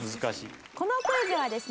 このクイズはですね